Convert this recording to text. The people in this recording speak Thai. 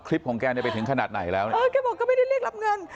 คลิปของแกได้ไปถึงขนาดไหนแล้วแกบอกก็ไม่ได้เรียกรับเงิน